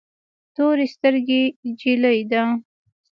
تور سترګي جلی ده